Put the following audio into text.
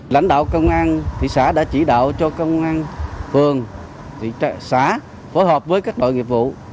lãnh đạo công an thị xã đã chỉ đạo cho công an phường thị xã phối hợp với các đội nghiệp vụ